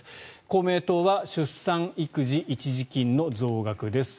公明党は出産育児一時金の増額です。